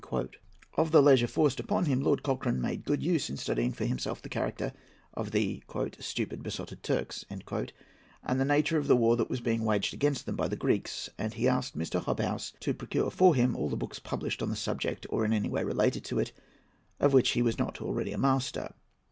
Of the leisure forced upon him, Lord Cochrane made good use in studying for himself the character of "the stupid, besotted Turks," and the nature of the war that was being waged against them by the Greeks; and he asked Mr. Hobhouse to procure for him all the books published on the subject or in any way related to it, of which he was not already master.